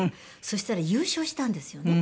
そしたら優勝したんですよね。